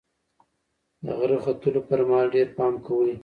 د غره ختلو پر مهال ډېر پام کوئ.